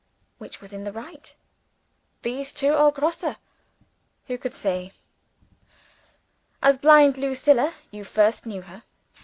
Which was in the right these two or Grosse who can say? As blind Lucilla, you first knew her.